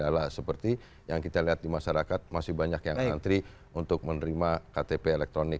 adalah seperti yang kita lihat di masyarakat masih banyak yang antri untuk menerima ktp elektronik